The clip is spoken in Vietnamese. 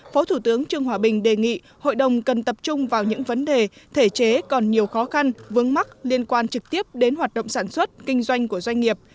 phó thủ tướng trương hòa bình đề nghị hội đồng cần tập trung vào những vấn đề thể chế còn nhiều khó khăn vướng mắc liên quan trực tiếp đến hoạt động sản xuất kinh doanh của doanh nghiệp